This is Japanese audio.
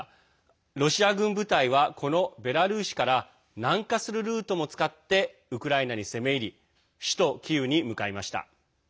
ロシア軍部隊はこのベラルーシから南下するルートも使ってウクライナに攻め入り首都キーウに向かいました。